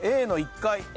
Ａの１階。